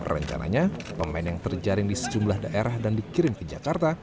rencananya pemain yang terjaring di sejumlah daerah dan dikirim ke jakarta